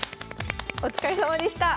お疲れさまでした。